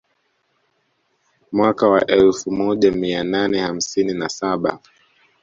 Mwaka wa elfu moja mia nane hamsini na saba